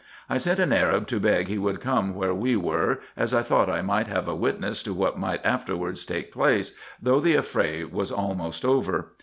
I sent an Arab to beg he would come where we were, as I thought I might have a witness to what might afterwards take place, though the affray was almost over.